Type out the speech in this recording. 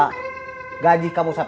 udah nanti ter cade piapa istri